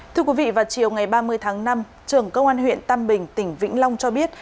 thưa quý vị vào chiều ngày ba mươi tháng năm trưởng công an huyện tam bình tỉnh vĩnh long cho biết